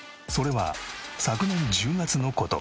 それは昨年１０月の事。